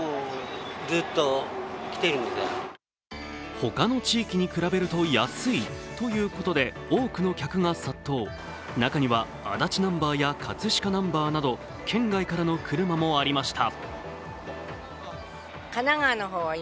他の地域に比べると安いということで多くの客が殺到、中には足立ナンバーや葛飾ナンバーなど県外からの車もありました。